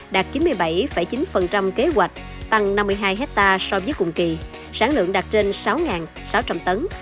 đạt chín mươi bảy chín kế hoạch tăng năm mươi hai hectare so với cùng kỳ sáng lượng đạt trên sáu sáu trăm linh tấn